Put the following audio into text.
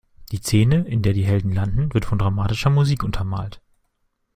Die Szene, in der die Helden landen, wird von dramatischer Musik untermalt.